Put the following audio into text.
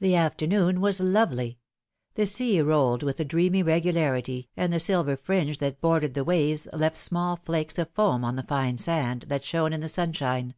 T he afternoon was lovely; the sea rolled with a dreamy regularity, and the silver fringe that bor dered the waves left small flakes of foam on the fine sand, that shone in the sunshine.